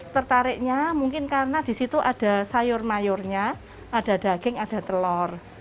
tertariknya mungkin karena di situ ada sayur mayurnya ada daging ada telur